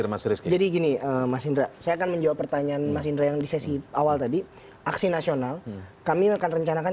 misalnya kemudian diuangkan